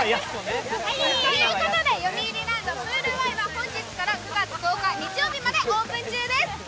ということで、よみうりランドプールＷＡＩは本日から９月１０日の日曜日までオープン中です。